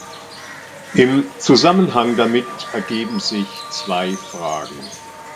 Im Zusammenhang damit ergeben sich zwei Fragen.